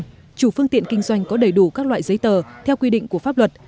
theo đó các chủ phương tiện kinh doanh có đầy đủ các loại giấy tờ theo quy định của pháp luật